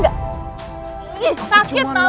kak di sini